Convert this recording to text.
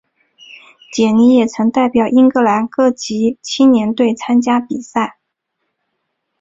简尼也曾代表英格兰各级青年队参加比赛。